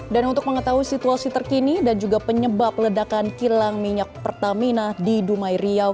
dan untuk mengetahui situasi terkini dan juga penyebab ledakan kilang minyak pertamina di dumai riau